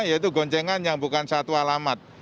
yaitu goncengan yang bukan satu alamat